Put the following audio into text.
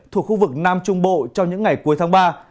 thuộc khu vực nam trung bộ trong những ngày cuối tháng ba